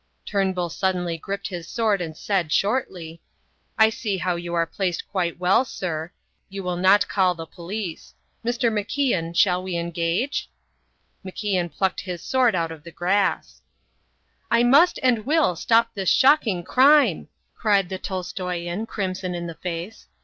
Turnbull suddenly gripped his sword and said, shortly, "I see how you are placed quite well, sir. You will not call the police. Mr. MacIan, shall we engage?" MacIan plucked his sword out of the grass. "I must and will stop this shocking crime," cried the Tolstoian, crimson in the face.